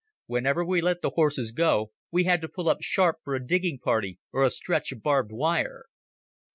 Whenever we let the horses go we had to pull up sharp for a digging party or a stretch of barbed wire.